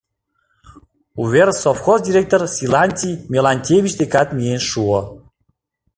Увер совхоз директор Силантий Мелантьевич декат миен шуо.